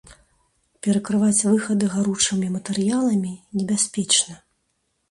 Перакрываць выхады гаручымі матэрыяламі небяспечна.